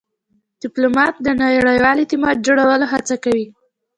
ډيپلومات د نړیوال اعتماد جوړولو هڅه کوي.